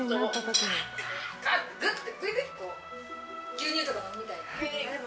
・牛乳とか飲むみたいな・でも。